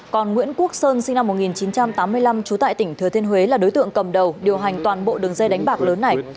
còn nguyễn quốc sơn sinh năm một nghìn chín trăm tám mươi năm trú tại tỉnh thừa thiên huế là đối tượng cầm đầu điều hành toàn bộ đường dây đánh bạc lớn này